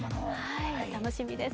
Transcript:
楽しみです。